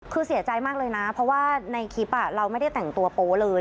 คือเสียใจมากเลยนะเพราะว่าในคลิปเราไม่ได้แต่งตัวโป๊ะเลย